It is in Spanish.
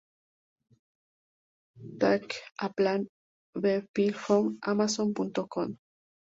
Take a plan b pill from amazon.com.